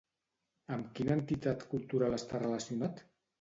Amb quina entitat cultural està relacionat?